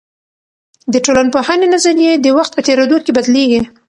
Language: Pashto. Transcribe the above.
د ټولنپوهني نظريې د وخت په تیریدو کې بدلیږي.